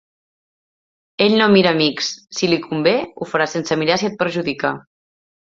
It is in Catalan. Ell no mira amics: si li convé, ho farà sense mirar si et perjudica.